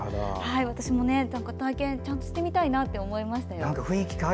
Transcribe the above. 私もちゃんと体験してみたいなと思いました。